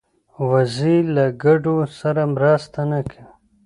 وزې له ګډو سره مرسته نه کوي